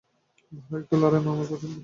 ভালো একটা লড়াই মামার পছন্দ।